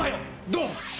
ドン。